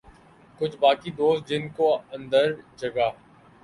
کچھ باقی دوست جن کو اندر جگہ